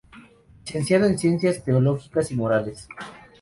Licenciado en Ciencias Teológicas y Morales.